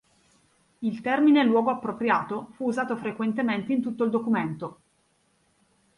Il termine "luogo appropriato" fu usato frequentemente in tutto il documento.